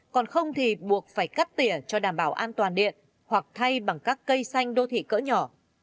còn không thì buộc phải cắt tỉa cho đảm bảo an toàn điện hoặc thay bằng các cây xanh đô thị cỡ nhỏ